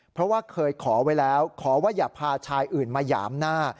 เพราะว่าเคยขอไว้แล้วขอว่าอย่าพาชายอื่นมาหยามหน้า